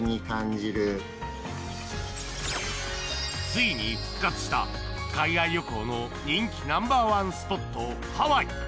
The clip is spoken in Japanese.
ついに復活した海外旅行の人気ナンバー１スポットハワイ。